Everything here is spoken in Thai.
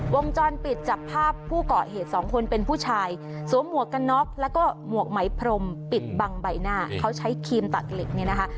วงจรปิดจับภาพผู้เกาะเหตุสองคนเป็นผู้ชายสวมหมวกกันน็อกแล้วก็หมวกไหมพรมปิดบังใบหน้าเขาใช้ครีมตัดเหล็กเนี่ยนะคะ